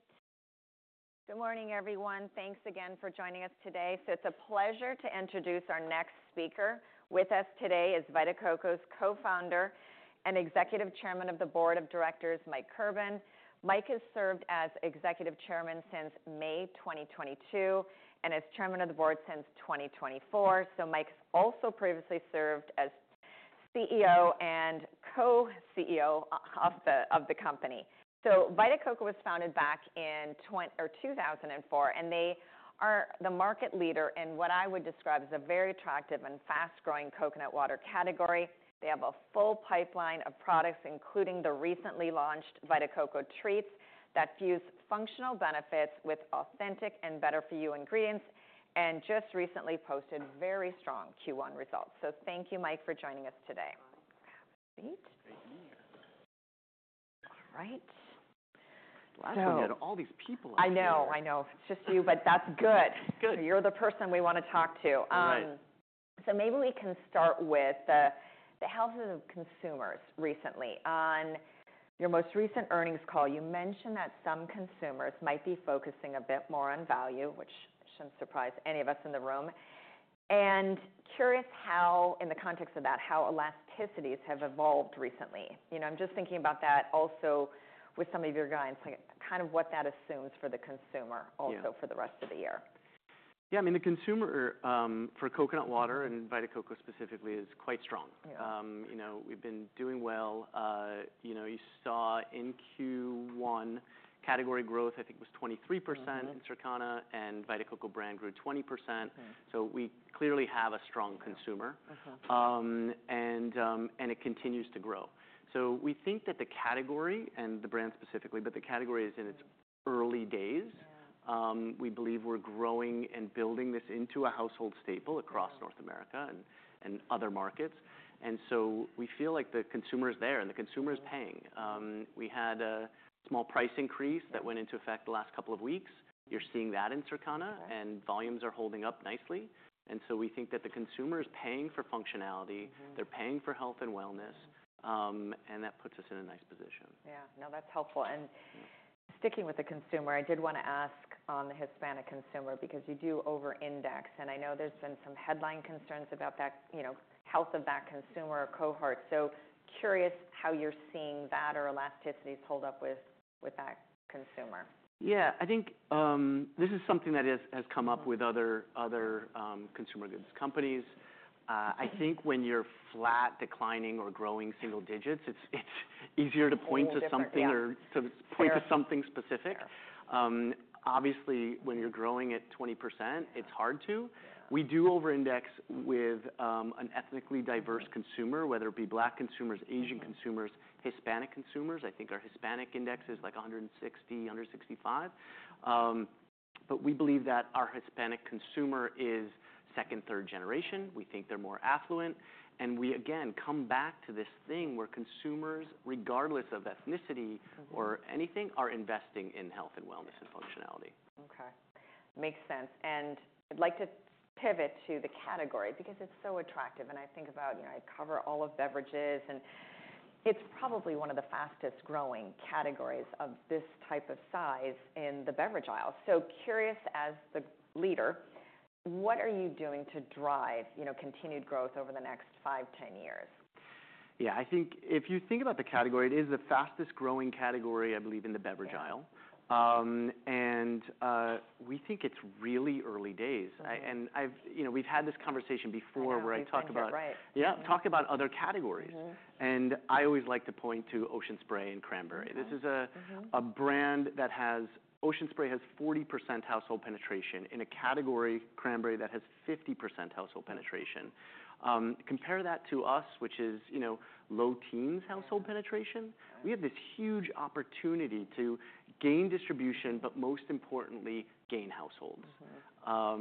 All right. Good morning, everyone. Thanks again for joining us today. It's a pleasure to introduce our next speaker. With us today is Vita Coco's co-founder and Executive Chairman of the Board of Directors, Mike Kirban. Mike has served as Executive Chairman since May 2022 and as Chairman of the Board since 2024. Mike's also previously served as CEO and co-CEO of the company. Vita Coco was founded back in 2004, and they are the market leader in what I would describe as a very attractive and fast-growing coconut water category. They have a full pipeline of products, including the recently launched Vita Coco treats that fuse functional benefits with authentic and better-for-you ingredients, and just recently posted very strong Q1 results. Thank you, Mike, for joining us today. Great to be here. All right. Glad to be at all these people. I know, I know. It's just you, but that's good. It's good. You're the person we want to talk to. Right. Maybe we can start with the health of consumers recently. On your most recent earnings call, you mentioned that some consumers might be focusing a bit more on value, which should not surprise any of us in the room. Curious how, in the context of that, how elasticities have evolved recently. I am just thinking about that also with some of your guidance, kind of what that assumes for the consumer also for the rest of the year. Yeah. I mean, the consumer for coconut water and Vita Coco specifically is quite strong. We've been doing well. You saw in Q1 category growth, I think it was 23% in Circana, and Vita Coco brand grew 20%. We clearly have a strong consumer, and it continues to grow. We think that the category and the brand specifically, but the category is in its early days. We believe we're growing and building this into a household staple across North America and other markets. We feel like the consumer is there, and the consumer is paying. We had a small price increase that went into effect the last couple of weeks. You're seeing that in Circana, and volumes are holding up nicely. We think that the consumer is paying for functionality. They're paying for health and wellness, and that puts us in a nice position. Yeah. No, that's helpful. Sticking with the consumer, I did want to ask on the Hispanic consumer because you do over-index, and I know there's been some headline concerns about the health of that consumer cohort. Curious how you're seeing that or elasticities hold up with that consumer. Yeah. I think this is something that has come up with other consumer goods companies. I think when you're flat, declining, or growing single-digits, it's easier to point to something or to point to something specific. Obviously, when you're growing at 20%, it's hard to. We do over-index with an ethnically diverse consumer, whether it be Black consumers, Asian consumers, Hispanic consumers. I think our Hispanic index is like 160-165. We believe that our Hispanic consumer is second, third generation. We think they're more affluent. We, again, come back to this thing where consumers, regardless of ethnicity or anything, are investing in health and wellness and functionality. Okay. Makes sense. I would like to pivot to the category because it is so attractive. I think about, I cover all of beverages, and it is probably one of the fastest-growing categories of this type of size in the beverage aisle. Curious, as the leader, what are you doing to drive continued growth over the next five, 10 years? Yeah. I think if you think about the category, it is the fastest-growing category, I believe, in the beverage aisle. We think it's really early days. We've had this conversation before where I talk about. Right, right. Yeah, talk about other categories. I always like to point to Ocean Spray and Cranberry. This is a brand that has Ocean Spray has 40% household penetration in a category, Cranberry that has 50% household penetration. Compare that to us, which is low teens household penetration. We have this huge opportunity to gain distribution, but most importantly, gain households. I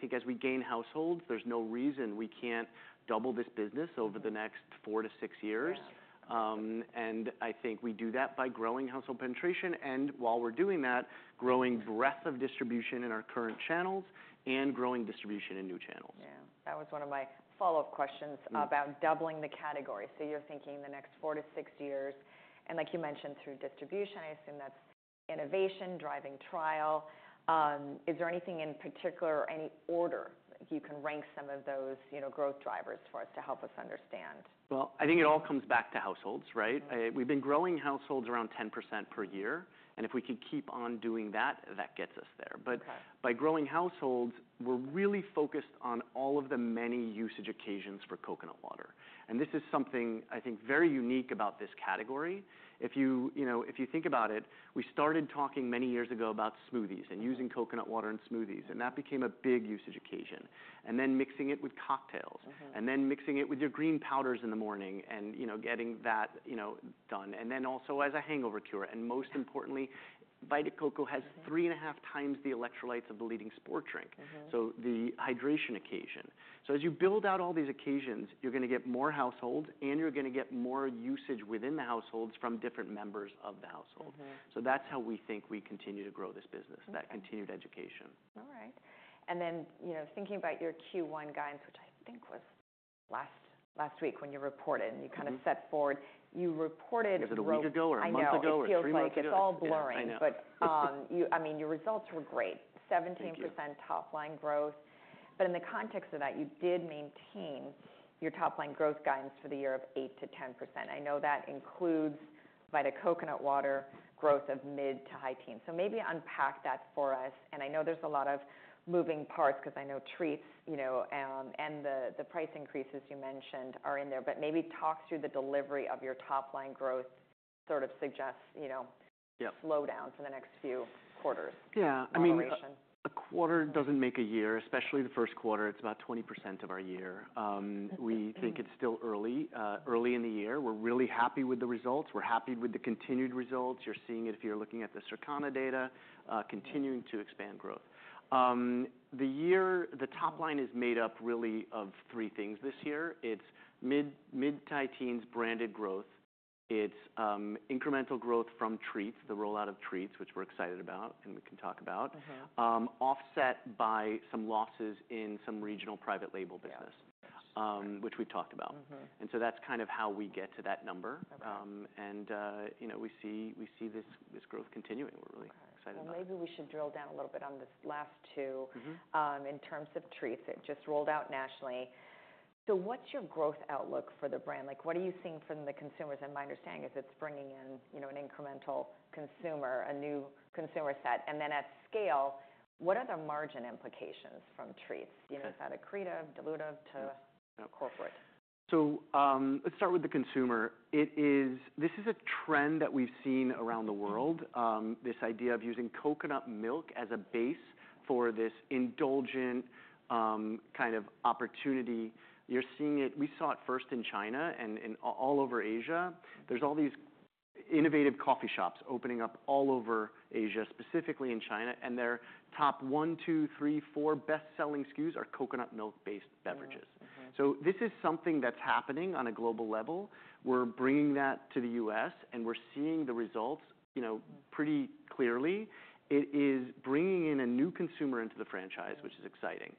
think as we gain households, there's no reason we can't double this business over the next four to six years. I think we do that by growing household penetration and, while we're doing that, growing breadth of distribution in our current channels and growing distribution in new channels. Yeah. That was one of my follow-up questions about doubling the category. You are thinking the next four to six years. Like you mentioned, through distribution, I assume that is innovation, driving trial. Is there anything in particular or any order you can rank some of those growth drivers for us to help us understand? I think it all comes back to households, right? We've been growing households around 10% per year. If we can keep on doing that, that gets us there. By growing households, we're really focused on all of the many usage occasions for coconut water. This is something I think very unique about this category. If you think about it, we started talking many years ago about smoothies and using coconut water in smoothies, and that became a big usage occasion. Mixing it with cocktails, and then mixing it with your green powders in the morning and getting that done. Also as a hangover cure. Most importantly, Vita Coco has three and a half times the electrolytes of the leading sport drink. The hydration occasion. As you build out all these occasions, you're going to get more households, and you're going to get more usage within the households from different members of the household. That's how we think we continue to grow this business, that continued education. All right. Then thinking about your Q1 guidance, which I think was last week when you reported, and you kind of set forward, you reported. Was it a week ago or a month ago or three months ago? I know. It's all blurring. I mean, your results were great. 17% top-line growth. In the context of that, you did maintain your top-line growth guidance for the year of 8%-10%. I know that includes Vita Coconut Water growth of mid to high teens. Maybe unpack that for us. I know there's a lot of moving parts because I know treats and the price increases you mentioned are in there. Maybe talk through the delivery of your top-line growth, sort of suggests slowdown for the next few quarters. Yeah. I mean, a quarter doesn't make a year, especially the first quarter. It's about 20% of our year. We think it's still early. Early in the year, we're really happy with the results. We're happy with the continued results. You're seeing it if you're looking at the Circana data, continuing to expand growth. The top line is made up really of three things this year. It's mid-teens branded growth. It's incremental growth from treats, the rollout of treats, which we're excited about and we can talk about, offset by some losses in some regional private label business, which we've talked about. That's kind of how we get to that number. We see this growth continuing. We're really excited about it. Maybe we should drill down a little bit on this last two in terms of treats that just rolled out nationally. What is your growth outlook for the brand? What are you seeing from the consumers? My understanding is it is bringing in an incremental consumer, a new consumer set. At scale, what are the margin implications from treats? Is that accretive or dilutive to corporate? Let's start with the consumer. This is a trend that we've seen around the world, this idea of using coconut milk as a base for this indulgent kind of opportunity. You're seeing it. We saw it first in China and all over Asia. There are all these innovative coffee shops opening up all over Asia, specifically in China. Their top one, two, three, four best-selling SKUs are coconut milk-based beverages. This is something that's happening on a global level. We're bringing that to the U.S., and we're seeing the results pretty clearly. It is bringing in a new consumer into the franchise, which is exciting.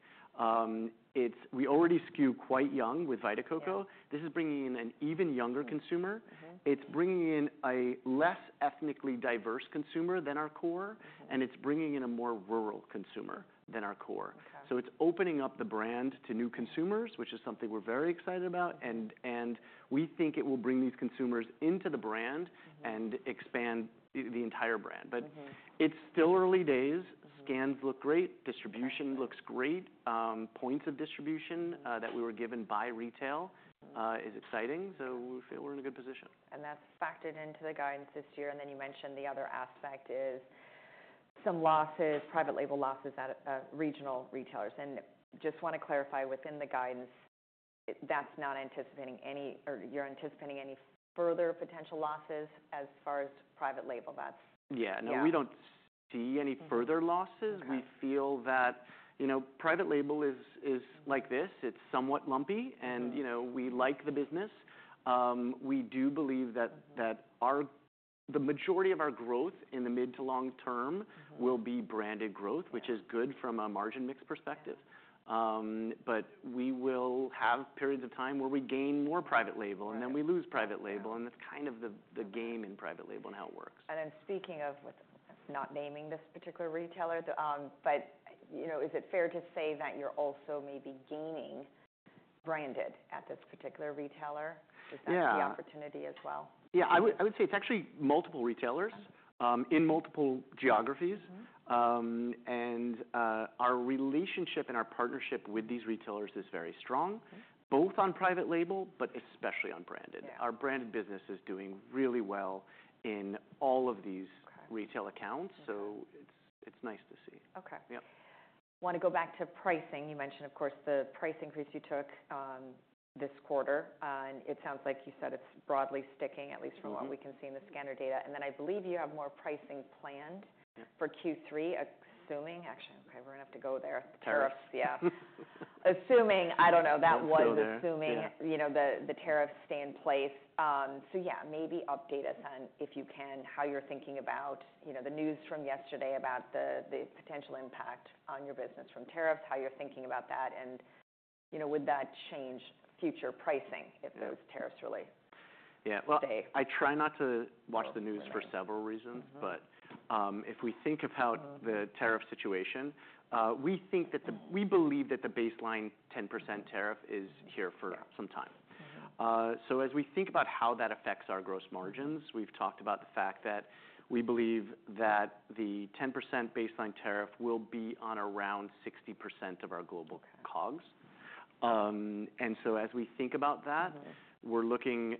We already SKU quite young with Vita Coco. This is bringing in an even younger consumer. It's bringing in a less ethnically diverse consumer than our core, and it's bringing in a more rural consumer than our core. It's opening up the brand to new consumers, which is something we're very excited about. We think it will bring these consumers into the brand and expand the entire brand. It's still early days. Scans look great. Distribution looks great. Points of distribution that we were given by retail is exciting. We feel we're in a good position. That is factored into the guidance this year. You mentioned the other aspect is some losses, private label losses at regional retailers. I just want to clarify within the guidance, is that not anticipating any, or are you anticipating any further potential losses as far as private label? Yeah. No, we do not see any further losses. We feel that private label is like this. It is somewhat lumpy, and we like the business. We do believe that the majority of our growth in the mid to long term will be branded growth, which is good from a margin mix perspective. We will have periods of time where we gain more private label, and then we lose private label. That is kind of the game in private label and how it works. Is it fair to say that you're also maybe gaining branded at this particular retailer? Is that the opportunity as well? Yeah. I would say it is actually multiple retailers in multiple geographies. Our relationship and our partnership with these retailers is very strong, both on private label, but especially on branded. Our branded business is doing really well in all of these retail accounts. It is nice to see. Okay. Want to go back to pricing. You mentioned, of course, the price increase you took this quarter. It sounds like you said it's broadly sticking, at least from what we can see in the scanner data. I believe you have more pricing planned for Q3, assuming actually, okay, we're going to have to go there. Tariffs. Tariffs. Yeah. Assuming, I don't know, that was assuming the tariffs stay in place. Yeah, maybe update us on, if you can, how you're thinking about the news from yesterday about the potential impact on your business from tariffs, how you're thinking about that, and would that change future pricing if those tariffs really stay? Yeah. I try not to watch the news for several reasons. If we think about the tariff situation, we believe that the baseline 10% tariff is here for some time. As we think about how that affects our gross margins, we've talked about the fact that we believe that the 10% baseline tariff will be on around 60% of our global COGS. As we think about that, we're looking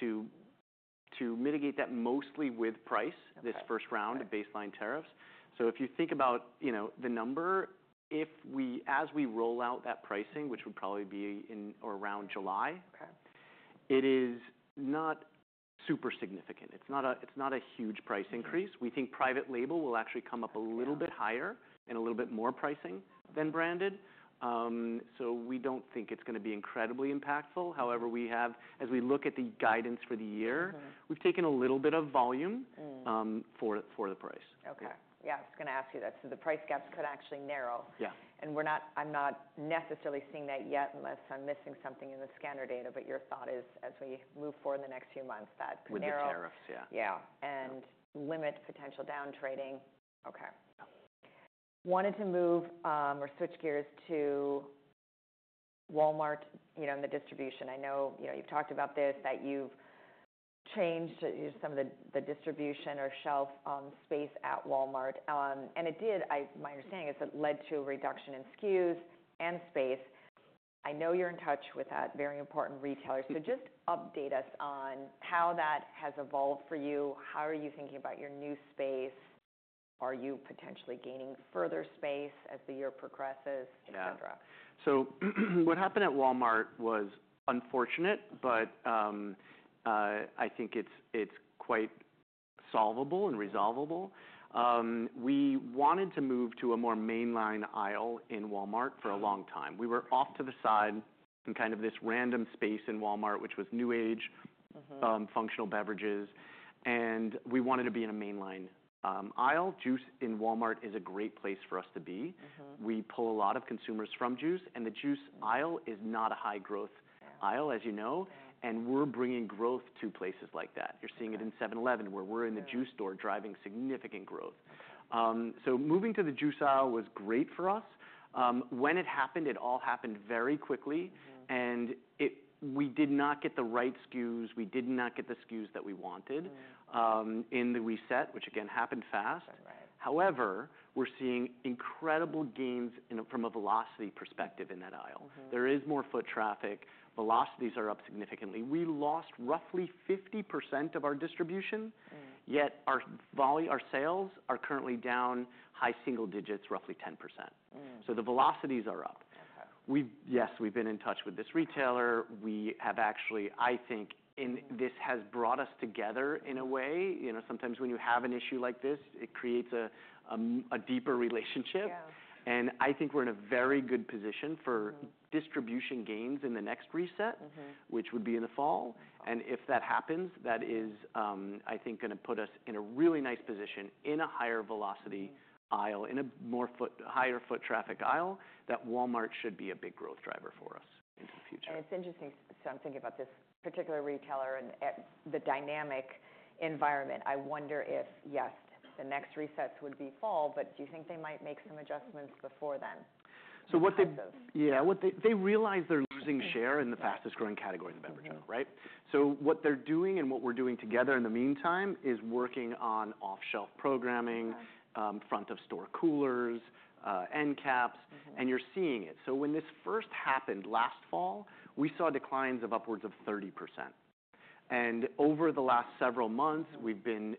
to mitigate that mostly with price this first round of baseline tariffs. If you think about the number, as we roll out that pricing, which would probably be around July, it is not super significant. It's not a huge price increase. We think private label will actually come up a little bit higher and a little bit more pricing than branded. We do not think it's going to be incredibly impactful. However, as we look at the guidance for the year, we've taken a little bit of volume for the price. Okay. Yeah. I was going to ask you that. The price gaps could actually narrow. I'm not necessarily seeing that yet unless I'm missing something in the scanner data. Your thought is, as we move forward in the next few months, that could narrow. With the tariffs, yeah. Yeah. And limit potential downtrading. Okay. Wanted to move or switch gears to Walmart and the distribution. I know you've talked about this, that you've changed some of the distribution or shelf space at Walmart. And my understanding is it led to a reduction in SKUs and space. I know you're in touch with that very important retailer. Just update us on how that has evolved for you. How are you thinking about your new space? Are you potentially gaining further space as the year progresses, etc.? Yeah. What happened at Walmart was unfortunate, but I think it is quite solvable and resolvable. We wanted to move to a more mainline aisle in Walmart for a long time. We were off to the side in kind of this random space in Walmart, which was new age functional beverages. We wanted to be in a mainline aisle. Juice in Walmart is a great place for us to be. We pull a lot of consumers from juice. The juice aisle is not a high growth aisle, as you know. We are bringing growth to places like that. You are seeing it in 7-Eleven where we are in the juice store driving significant growth. Moving to the juice aisle was great for us. When it happened, it all happened very quickly. We did not get the right SKUs. We did not get the SKUs that we wanted in the reset, which again happened fast. However, we are seeing incredible gains from a velocity perspective in that aisle. There is more foot traffic. Velocities are up significantly. We lost roughly 50% of our distribution, yet our sales are currently down high single-digits, roughly 10%. The velocities are up. Yes, we have been in touch with this retailer. We have actually, I think, and this has brought us together in a way. Sometimes when you have an issue like this, it creates a deeper relationship. I think we are in a very good position for distribution gains in the next reset, which would be in the fall. If that happens, that is, I think, going to put us in a really nice position in a higher velocity aisle, in a higher foot traffic aisle that Walmart should be a big growth driver for us into the future. It's interesting. I'm thinking about this particular retailer and the dynamic environment. I wonder if, yes, the next resets would be fall, but do you think they might make some adjustments before then? What they realize is they're losing share in the fastest growing category of the beverage aisle, right? What they're doing and what we're doing together in the meantime is working on off-shelf programming, front-of-store coolers, end caps. You're seeing it. When this first happened last fall, we saw declines of upwards of 30%. Over the last several months, we've been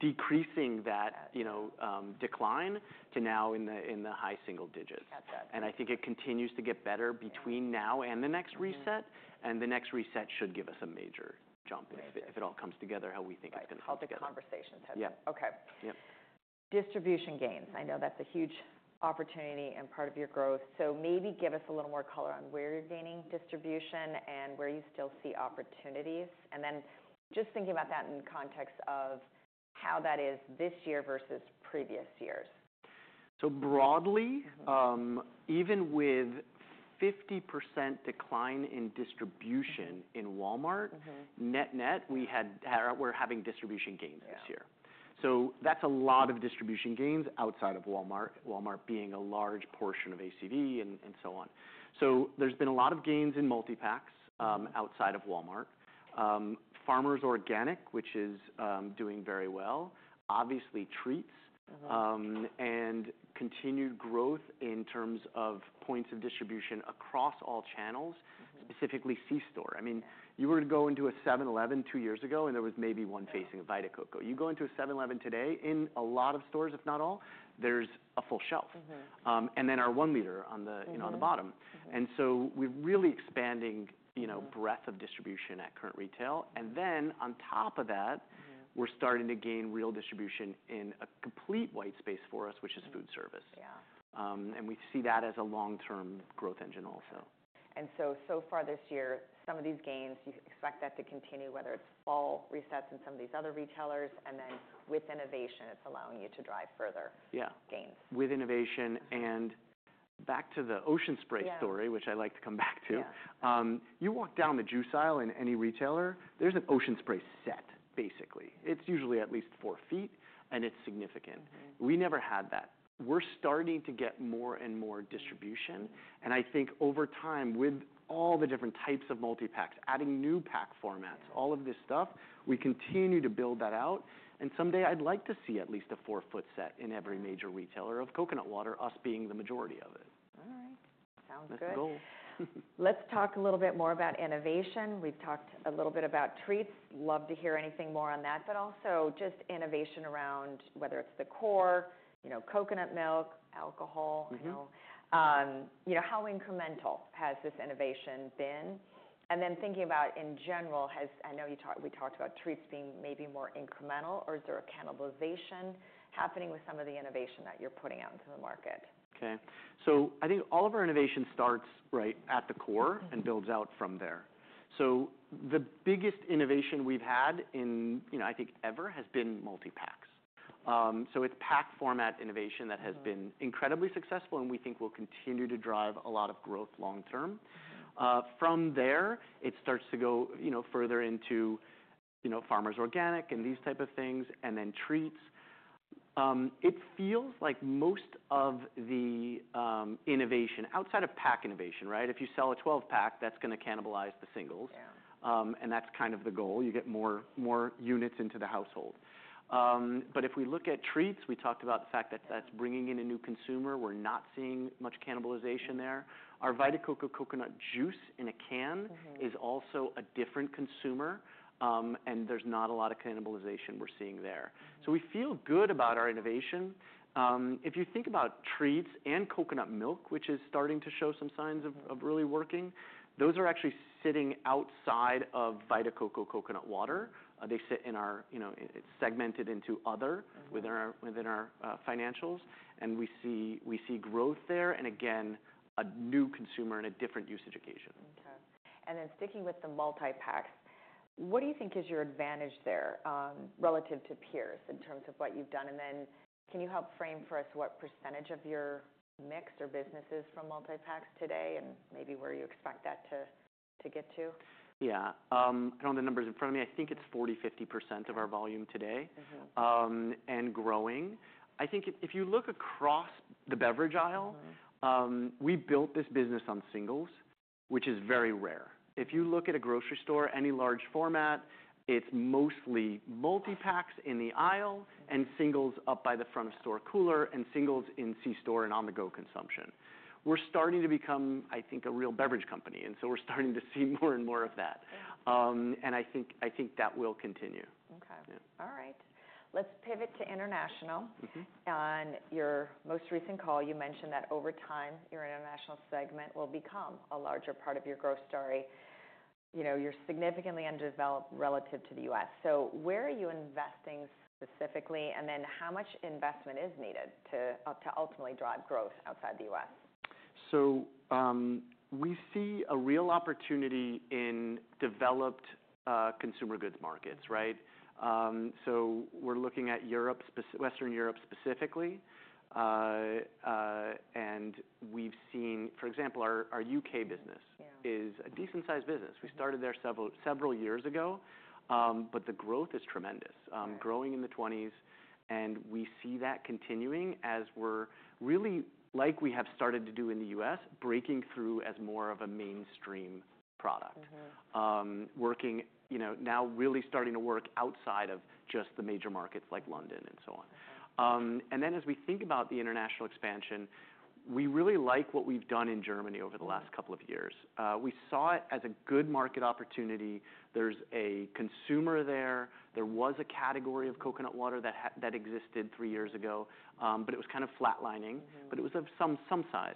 decreasing that decline to now in the high single-digits. I think it continues to get better between now and the next reset. The next reset should give us a major jump if it all comes together, how we think it's going to take it. Okay. How the conversations have been? Okay. Yeah. Distribution gains. I know that's a huge opportunity and part of your growth. Maybe give us a little more color on where you're gaining distribution and where you still see opportunities. Just thinking about that in context of how that is this year versus previous years. Broadly, even with a 50% decline in distribution in Walmart, net-net, we're having distribution gains this year. That's a lot of distribution gains outside of Walmart, Walmart being a large portion of ACV and so on. There's been a lot of gains in multi-packs outside of Walmart. Farmers Organic, which is doing very well, obviously treats, and continued growth in terms of points of distribution across all channels, specifically C-store. I mean, you were to go into a 7-Eleven two years ago, and there was maybe one facing of Vita Coco. You go into a 7-Eleven today, in a lot of stores, if not all, there's a full shelf. And then our one-liter on the bottom. We're really expanding breadth of distribution at current retail. On top of that, we're starting to gain real distribution in a complete white space for us, which is food service. We see that as a long-term growth engine also. So far this year, some of these gains, you expect that to continue, whether it's fall resets in some of these other retailers, and then with innovation, it's allowing you to drive further gains. Yeah. With innovation. And back to the Ocean Spray story, which I like to come back to. You walk down the juice aisle in any retailer, there's an Ocean Spray set, basically. It's usually at least four ft, and it's significant. We never had that. We're starting to get more and more distribution. I think over time, with all the different types of multi-packs, adding new pack formats, all of this stuff, we continue to build that out. Someday, I'd like to see at least a four ft set in every major retailer of coconut water, us being the majority of it. All right. Sounds good. That's the goal. Let's talk a little bit more about innovation. We've talked a little bit about treats. Love to hear anything more on that. Also, just innovation around whether it's the core, coconut milk, alcohol, how incremental has this innovation been? Then thinking about in general, I know we talked about treats being maybe more incremental, or is there a cannibalization happening with some of the innovation that you're putting out into the market? Okay. I think all of our innovation starts right at the core and builds out from there. The biggest innovation we've had in, I think, ever has been multi-packs. It is pack format innovation that has been incredibly successful, and we think will continue to drive a lot of growth long-term. From there, it starts to go further into Farmers Organic and these types of things, and then treats. It feels like most of the innovation outside of pack innovation, right? If you sell a 12-pack, that is going to cannibalize the singles. That is kind of the goal. You get more units into the household. If we look at treats, we talked about the fact that that is bringing in a new consumer. We are not seeing much cannibalization there. Our Vita Coco Coconut Juice in a can is also a different consumer, and there's not a lot of cannibalization we're seeing there. We feel good about our innovation. If you think about treats and coconut milk, which is starting to show some signs of really working, those are actually sitting outside of Vita Coco Coconut Water. They sit in our, it's segmented into other within our financials. We see growth there and, again, a new consumer and a different usage occasion. Okay. And then sticking with the multi-packs, what do you think is your advantage there relative to peers in terms of what you've done? And then can you help frame for us what percentage of your mix or business is from multi-packs today and maybe where you expect that to get to? Yeah. I do not have the numbers in front of me. I think it is 40%-50% of our volume today and growing. I think if you look across the beverage aisle, we built this business on singles, which is very rare. If you look at a grocery store, any large format, it is mostly multi-packs in the aisle and singles up by the front-of-store cooler and singles in C-store and on-the-go consumption. We are starting to become, I think, a real beverage company. We are starting to see more and more of that. I think that will continue. Okay. All right. Let's pivot to international. On your most recent call, you mentioned that over time, your international segment will become a larger part of your growth story. You're significantly underdeveloped relative to the U.S. Where are you investing specifically? How much investment is needed to ultimately drive growth outside the U.S.? We see a real opportunity in developed consumer goods markets, right? We are looking at Western Europe specifically. We have seen, for example, our U.K. business is a decent-sized business. We started there several years ago, but the growth is tremendous, growing in the 20s. We see that continuing as we are really, like we have started to do in the U.S., breaking through as more of a mainstream product, working now, really starting to work outside of just the major markets like London and so on. As we think about the international expansion, we really like what we have done in Germany over the last couple of years. We saw it as a good market opportunity. There is a consumer there. There was a category of coconut water that existed three years ago, but it was kind of flatlining, but it was of some size.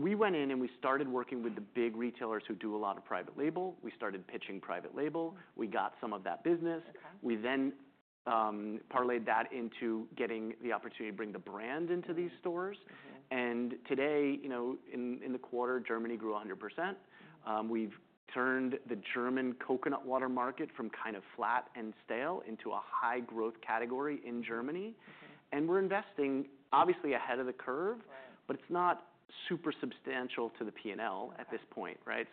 We went in and we started working with the big retailers who do a lot of private label. We started pitching private label. We got some of that business. We then parlayed that into getting the opportunity to bring the brand into these stores. Today, in the quarter, Germany grew 100%. We've turned the German coconut water market from kind of flat and stale into a high-growth category in Germany. We're investing, obviously, ahead of the curve, but it's not super substantial to the P&L at this point, right?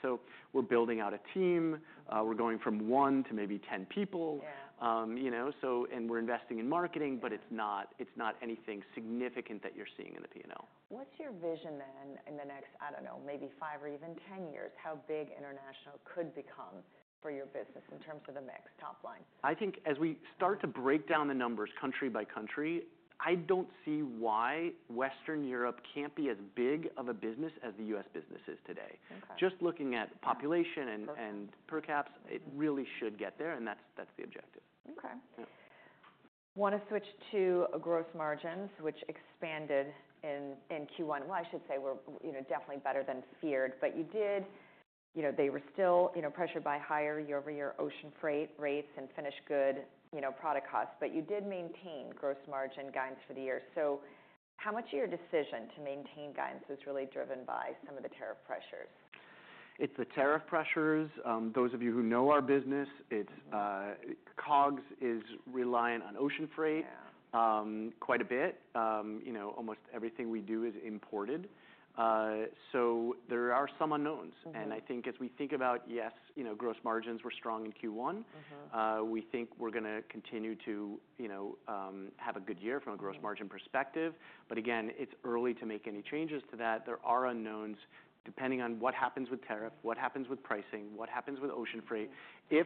We're building out a team. We're going from one to maybe 10 people. We're investing in marketing, but it's not anything significant that you're seeing in the P&L. What's your vision then in the next, I don't know, maybe five or even 10 years, how big international could become for your business in terms of the mix top line? I think as we start to break down the numbers country by country, I don't see why Western Europe can't be as big of a business as the U.S. business is today. Just looking at population and per caps, it really should get there. That's the objective. Okay. Want to switch to gross margins, which expanded in Q1. I should say we're definitely better than feared. You did, they were still pressured by higher year-over-year ocean freight rates and finished good product costs. You did maintain gross margin guidance for the year. How much of your decision to maintain guidance was really driven by some of the tariff pressures? It's the tariff pressures. Those of you who know our business, COGS is reliant on ocean freight quite a bit. Almost everything we do is imported. There are some unknowns. I think as we think about, yes, gross margins were strong in Q1, we think we're going to continue to have a good year from a gross margin perspective. Again, it's early to make any changes to that. There are unknowns depending on what happens with tariffs, what happens with pricing, what happens with ocean freight. If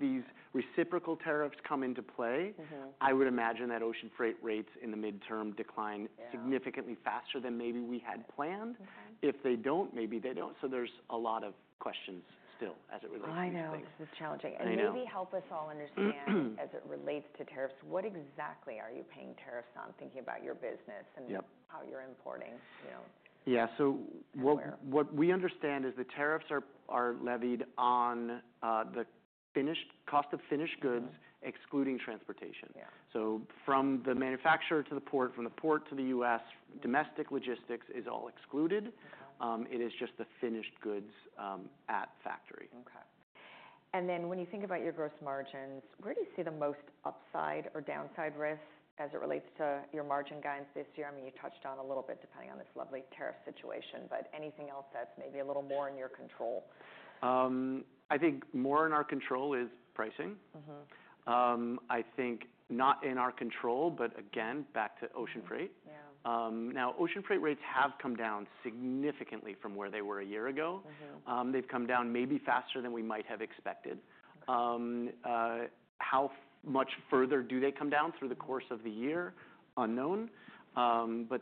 these reciprocal tariffs come into play, I would imagine that ocean freight rates in the midterm decline significantly faster than maybe we had planned. If they don't, maybe they don't. There's a lot of questions still as it relates to these things. I know. This is challenging. Maybe help us all understand as it relates to tariffs, what exactly are you paying tariffs on, thinking about your business and how you're importing? Yeah. What we understand is the tariffs are levied on the cost of finished goods, excluding transportation. From the manufacturer to the port, from the port to the U.S., domestic logistics is all excluded. It is just the finished goods at factory. Okay. And then when you think about your gross margins, where do you see the most upside or downside risk as it relates to your margin guidance this year? I mean, you touched on a little bit depending on this lovely tariff situation, but anything else that's maybe a little more in your control? I think more in our control is pricing. I think not in our control, but again, back to ocean freight. Now, ocean freight rates have come down significantly from where they were a year ago. They have come down maybe faster than we might have expected. How much further do they come down through the course of the year? Unknown.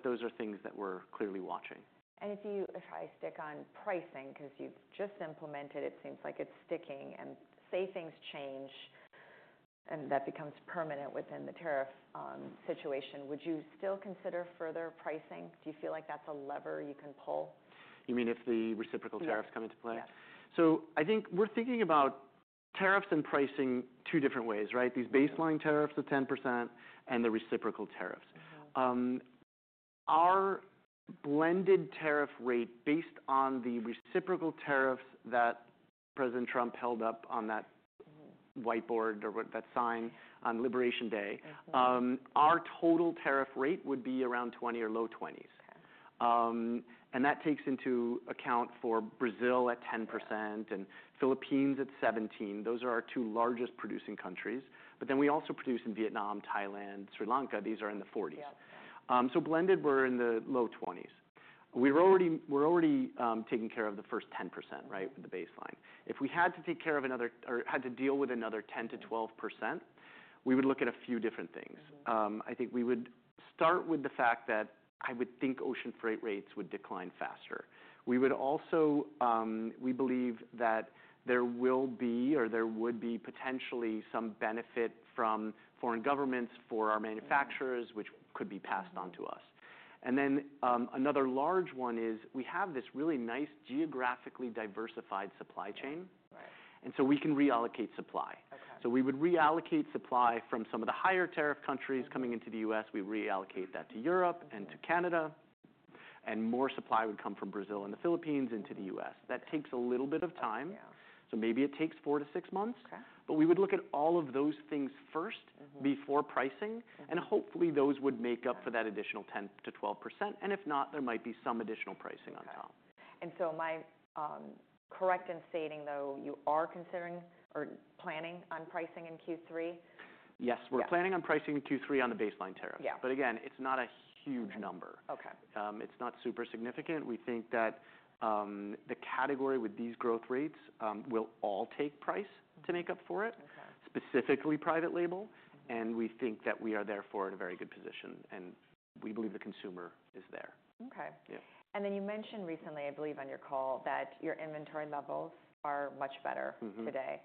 Those are things that we are clearly watching. If I stick on pricing, because you've just implemented, it seems like it's sticking. Say things change and that becomes permanent within the tariff situation, would you still consider further pricing? Do you feel like that's a lever you can pull? You mean if the reciprocal tariffs come into play? Yeah. I think we're thinking about tariffs and pricing two different ways, right? These baseline tariffs of 10% and the reciprocal tariffs. Our blended tariff rate based on the reciprocal tariffs that President Trump held up on that whiteboard or that sign on Liberation Day, our total tariff rate would be around 20% or low 20s. That takes into account for Brazil at 10% and Philippines at 17%. Those are our two largest producing countries. Then we also produce in Vietnam, Thailand, Sri Lanka. These are in the 40s. Blended, we're in the low 20s. We're already taking care of the first 10%, right, with the baseline. If we had to take care of another or had to deal with another 10%-12%, we would look at a few different things. I think we would start with the fact that I would think ocean freight rates would decline faster. We would also, we believe that there will be or there would be potentially some benefit from foreign governments for our manufacturers, which could be passed on to us. Another large one is we have this really nice geographically diversified supply chain. We can reallocate supply. We would reallocate supply from some of the higher tariff countries coming into the U.S. We reallocate that to Europe and to Canada. More supply would come from Brazil and the Philippines into the U.S. That takes a little bit of time. Maybe it takes four to six months. We would look at all of those things first before pricing. Hopefully, those would make up for that additional 10%-12%.If not, there might be some additional pricing on top. Am I correct in stating, though, you are considering or planning on pricing in Q3? Yes. We are planning on pricing in Q3 on the baseline tariff. It is not a huge number. It is not super significant. We think that the category with these growth rates will all take price to make up for it, specifically private label. We think that we are therefore in a very good position. We believe the consumer is there. Okay. You mentioned recently, I believe, on your call that your inventory levels are much better today,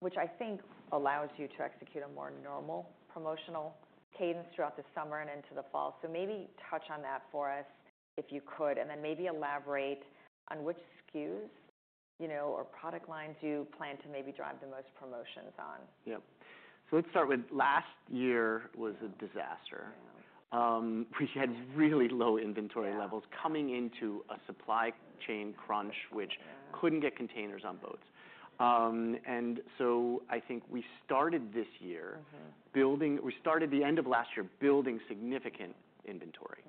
which I think allows you to execute a more normal promotional cadence throughout the summer and into the fall. Maybe touch on that for us if you could. Maybe elaborate on which SKUs or product lines you plan to maybe drive the most promotions on. Yeah. Let's start with last year was a disaster. We had really low inventory levels coming into a supply chain crunch, which could not get containers on boats. I think we started the end of last year building significant inventory.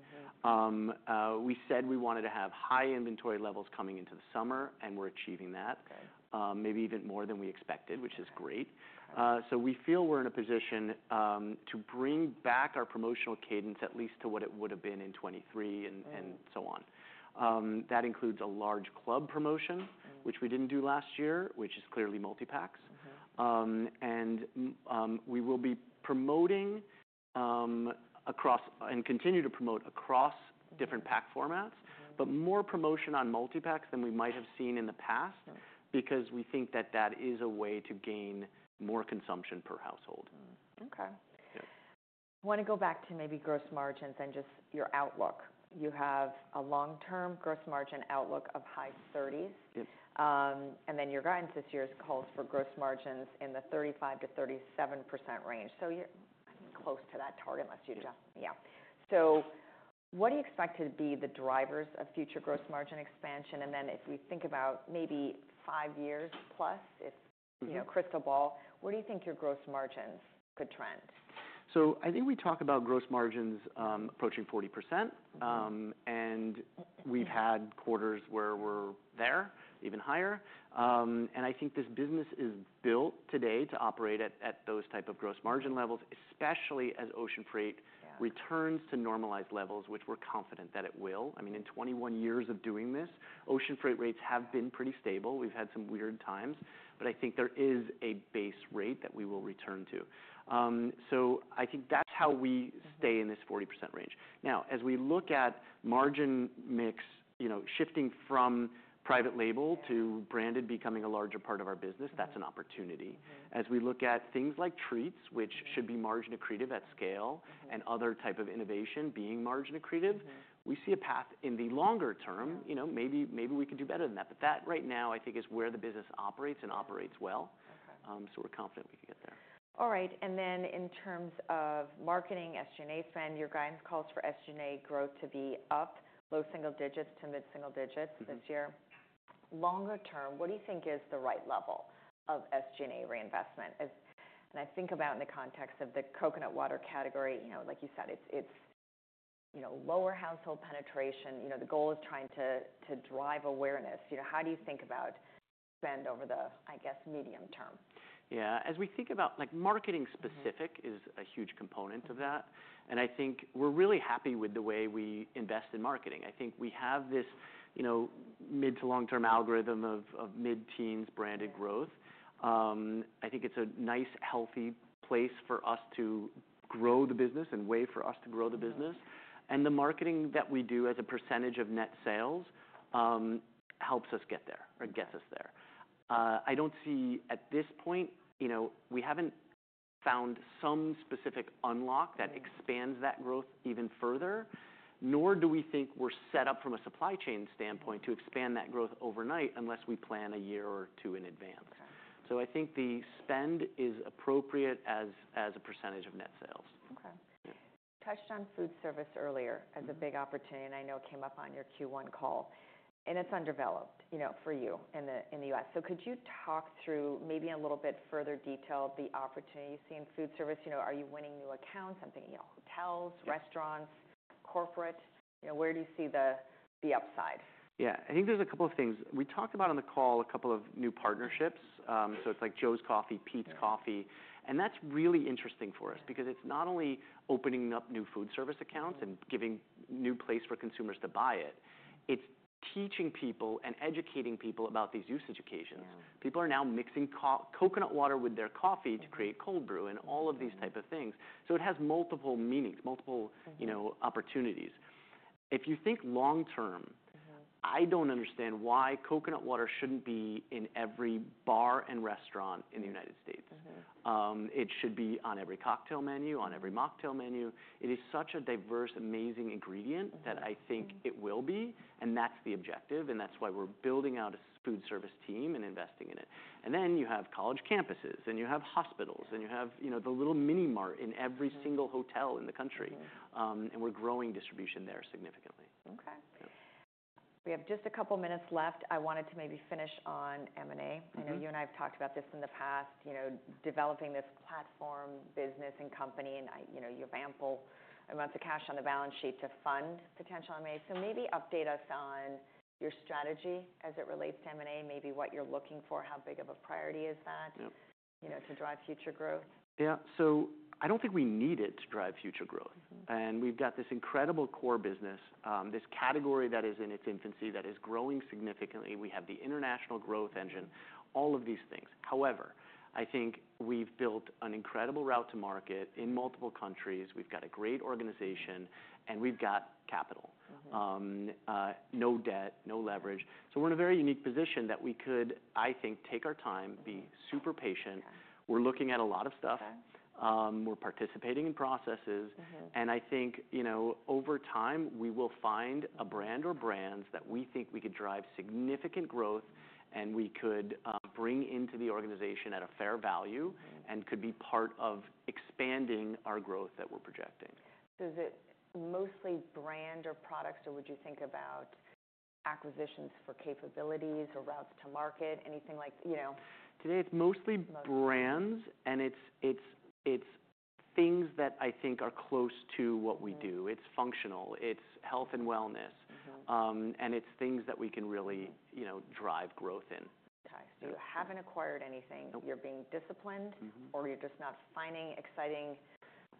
We said we wanted to have high inventory levels coming into the summer, and we're achieving that, maybe even more than we expected, which is great. We feel we're in a position to bring back our promotional cadence at least to what it would have been in 2023 and so on. That includes a large club promotion, which we did not do last year, which is clearly multi-packs. We will be promoting across and continue to promote across different pack formats, but more promotion on multi-packs than we might have seen in the past because we think that that is a way to gain more consumption per household. Okay. I want to go back to maybe gross margins and just your outlook. You have a long-term gross margin outlook of high 30s. And then your guidance this year calls for gross margins in the 35%-37% range. So you're close to that target unless you adjust. Yeah. So what do you expect to be the drivers of future gross margin expansion? And then if we think about maybe five years plus, if crystal ball, where do you think your gross margins could trend? I think we talk about gross margins approaching 40%. We've had quarters where we're there, even higher. I think this business is built today to operate at those type of gross margin levels, especially as ocean freight returns to normalized levels, which we're confident that it will. I mean, in 21 years of doing this, ocean freight rates have been pretty stable. We've had some weird times. I think there is a base rate that we will return to. I think that's how we stay in this 40% range. Now, as we look at margin mix shifting from private label to branded becoming a larger part of our business, that's an opportunity. As we look at things like treats, which should be margin accretive at scale, and other type of innovation being margin accretive, we see a path in the longer term. Maybe we could do better than that. That right now, I think, is where the business operates and operates well. So we're confident we could get there. All right. In terms of marketing, SG&A spend, your guidance calls for SG&A growth to be up, low single-digits to mid-single digits this year. Longer term, what do you think is the right level of SG&A reinvestment? I think about it in the context of the coconut water category, like you said, it's lower household penetration. The goal is trying to drive awareness. How do you think about spend over the, I guess, medium term? Yeah. As we think about marketing, specific is a huge component of that. I think we're really happy with the way we invest in marketing. I think we have this mid to long-term algorithm of mid-teens branded growth. I think it's a nice, healthy place for us to grow the business and way for us to grow the business. The marketing that we do as a percentage of net sales helps us get there or gets us there. I don't see at this point, we haven't found some specific unlock that expands that growth even further, nor do we think we're set up from a supply chain standpoint to expand that growth overnight unless we plan a year or two in advance. I think the spend is appropriate as a percentage of net sales. Okay. You touched on food service earlier as a big opportunity. I know it came up on your Q1 call. It is undeveloped for you in the U.S. Could you talk through maybe in a little bit further detail the opportunity you see in food service? Are you winning new accounts? I am thinking hotels, restaurants, corporate. Where do you see the upside? Yeah. I think there's a couple of things. We talked about on the call a couple of new partnerships. It is like Joe's Coffee, Peet's Coffee. That is really interesting for us because it is not only opening up new food service accounts and giving a new place for consumers to buy it. It is teaching people and educating people about these use educations. People are now mixing coconut water with their coffee to create cold brew and all of these type of things. It has multiple meanings, multiple opportunities. If you think long term, I do not understand why coconut water should not be in every bar and restaurant in the United States. It should be on every cocktail menu, on every mocktail menu. It is such a diverse, amazing ingredient that I think it will be. That is the objective. That is why we're building out a food service team and investing in it. Then you have college campuses and you have hospitals and you have the little mini mart in every single hotel in the country. We're growing distribution there significantly. Okay. We have just a couple of minutes left. I wanted to maybe finish on M&A. I know you and I have talked about this in the past, developing this platform business and company. You have ample amounts of cash on the balance sheet to fund potential M&A. Maybe update us on your strategy as it relates to M&A, maybe what you're looking for, how big of a priority is that to drive future growth? Yeah. I do not think we need it to drive future growth. We have this incredible core business, this category that is in its infancy that is growing significantly. We have the international growth engine, all of these things. However, I think we have built an incredible route to market in multiple countries. We have a great organization and we have capital, no debt, no leverage. We are in a very unique position that we could, I think, take our time, be super patient. We are looking at a lot of stuff. We are participating in processes. I think over time, we will find a brand or brands that we think we could drive significant growth and we could bring into the organization at a fair value and could be part of expanding our growth that we are projecting. Is it mostly brand or products, or would you think about acquisitions for capabilities or routes to market, anything like that? Today, it's mostly brands. It's things that I think are close to what we do. It's functional. It's health and wellness. It's things that we can really drive growth in. Okay. So you haven't acquired anything. You're being disciplined or you're just not finding exciting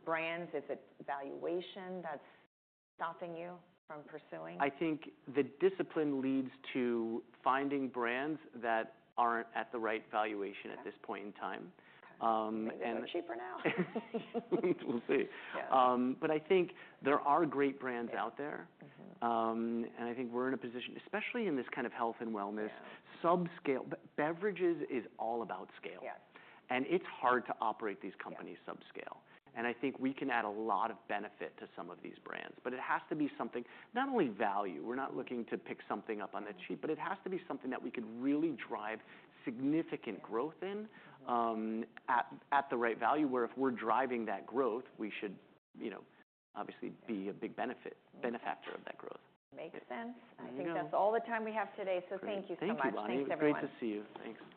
brands. Is it valuation that's stopping you from pursuing? I think the discipline leads to finding brands that aren't at the right valuation at this point in time. They're cheaper now. We'll see. I think there are great brands out there. I think we're in a position, especially in this kind of health and wellness, subscale. Beverages is all about scale. It's hard to operate these companies subscale. I think we can add a lot of benefit to some of these brands. It has to be something, not only value. We're not looking to pick something up on the cheap, but it has to be something that we could really drive significant growth in at the right value where if we're driving that growth, we should obviously be a big benefactor of that growth. Makes sense. I think that's all the time we have today. Thank you so much. Thanks, everyone. Thank you. Thanks. All right. Thank you. Thank you.